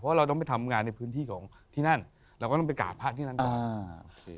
เพราะเราต้องไปทำงานในพื้นที่ของที่นั่นเราก็ต้องไปกราบพระที่นั่นก่อน